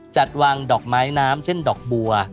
จัดวางดอกไม้น้ำเช่นดอกบัว